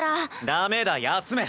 ダメだ休め！